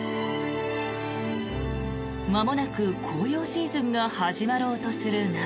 まもなく紅葉シーズンが始まろうとする中。